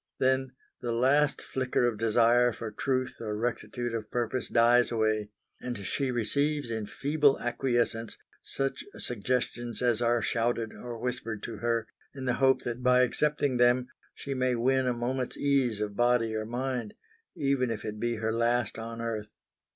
Then the last flicker of desire for truth or rectitude of purpose dies away, and she receives in feeble acquiescence such suggestions as are shouted or whispered to her, in the hope that by accepting them she may win a moment's ease of body or mind, even if it be her last on earth.